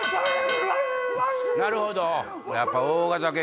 なるほど！